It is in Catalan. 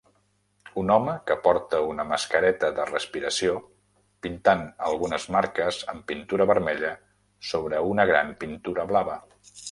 Un home que porta una mascareta de respiració pintant algunes marques amb pintura vermella sobre una gran pintura blava